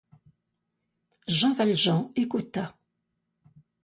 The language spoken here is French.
Jean Valjean écouta.